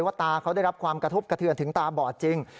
ตาเขาได้รับความกระทบกระเทือนถึงตาบอดจริง